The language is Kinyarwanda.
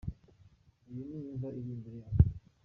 iyo ni imva iri imbere yacu.